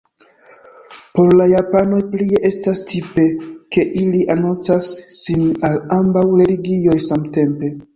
Por la japanoj plie estas tipe, ke ili anoncas sin al ambaŭ religioj samtempe.